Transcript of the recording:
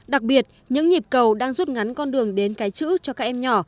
đặc biệt những nhịp cầu đang rút ngắn con đường đến cái chữ cho các em nhỏ